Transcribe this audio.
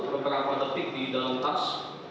beberapa tertib di dalam tas